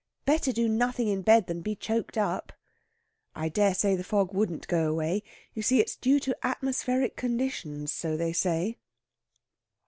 "Better do nothing in bed than be choked up." "I dare say the fog wouldn't go away. You see, it's due to atmospheric conditions, so they say."